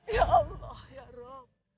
ya allah ya roh